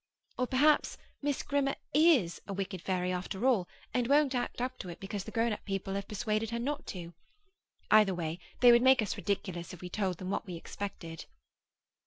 Or perhaps Miss Grimmer is a wicked fairy after all, and won't act up to it because the grown up people have persuaded her not to. Either way, they would make us ridiculous if we told them what we expected.